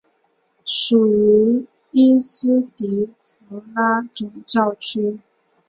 属茹伊斯迪福拉总教区。